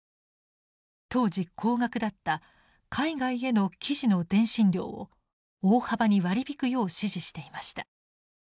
当時高額だった海外への記事の電信料を大幅に割り引くよう指示していました。